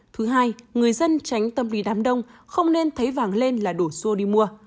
thứ hai người dân tránh tâm lý đám đông không nên thấy vàng lên là đổ xô đi mua